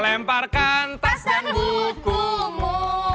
lemparkan tas dan buku mu